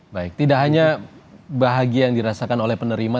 baik tidak hanya bahagia yang dirasakan oleh penerima